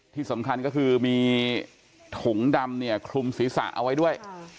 ที่สำคัญก็คือมีถุงดำเนี่ยคลุมศีรษะเอาไว้ด้วย